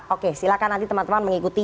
oke silakan nanti teman teman mengikuti